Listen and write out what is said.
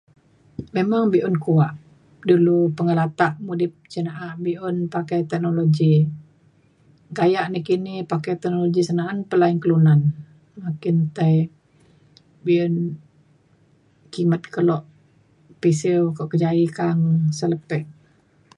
memang be’un kuak dulu pengelatak mudip cin na’a be’un pakai teknologi. gayak nakini pakai teknologi cen na’an pa lain kelunan makin tai be’un kimet kelo pisiu kok kejaie ka’ang selepek